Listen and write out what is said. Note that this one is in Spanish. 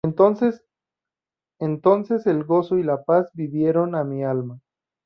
Entonces el gozo y la paz vivieron a mi alma.